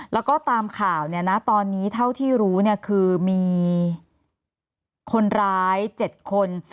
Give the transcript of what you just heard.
แล้วก็ตามข่าวเนี่ยนะตอนนี้เท่าที่รู้คือมีคนร้าย๗คน